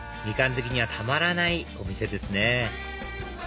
好きにはたまらないお店ですね